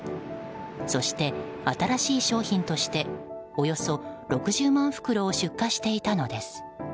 そして、新しい商品としておよそ６０万袋を出荷していたのです。